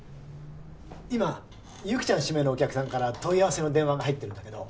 今雪ちゃん指名のお客さんから問い合わせの電話が入ってるんだけど。